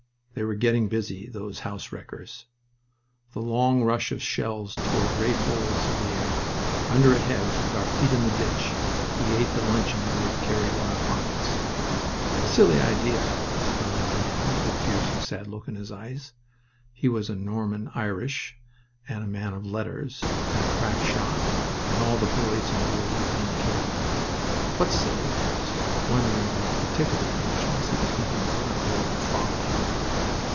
They were getting busy, those house wreckers. The long rush of shells tore great holes through the air. Under a hedge, with our feet in the ditch, we ate the luncheon we had carried in our pockets. "A silly idea!" said the lanky man, with a fierce, sad look in his eyes. He was Norman Irish, and a man of letters, and a crack shot, and all the boys he knew were being killed. "What's silly?" I asked, wondering what particular foolishness he was thinking of, in a world of folly.